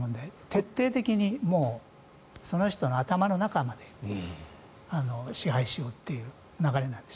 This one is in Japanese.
徹底的にその人の頭の中まで支配しようという流れなんです。